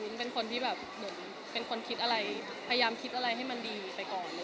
อุ้นเป็นคนที่ประยามคิดอะไรให้ดีไปก่อน